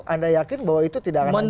anda yakin bahwa itu tidak akan terjadi